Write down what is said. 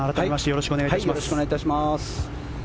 よろしくお願いします。